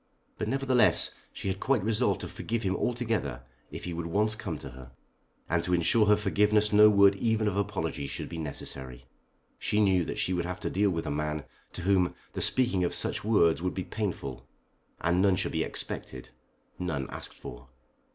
But nevertheless she had quite resolved to forgive him altogether if he would once come to her. And to insure her forgiveness no word even of apology should be necessary. She knew that she would have to deal with a man to whom the speaking of such words would be painful, and none should be expected, none asked for.